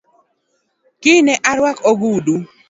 Kiny ne aruak ogudu